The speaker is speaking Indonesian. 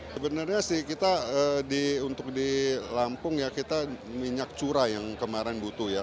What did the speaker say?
sebenarnya sih kita untuk di lampung ya kita minyak curah yang kemarin butuh ya